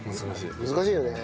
難しいよね。